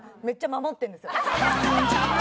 めっちゃ守ってるんですよ。